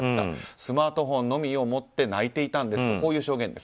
スマートフォンのみを持って泣いていたんですという証言。